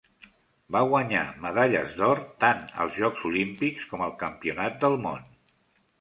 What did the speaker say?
Va guanyar medalles d'or tant als Jocs Olímpics com al campionat del món.